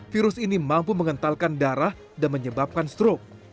virus ini mampu mengentalkan darah dan menyebabkan stroke